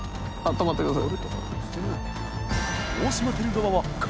止まってください。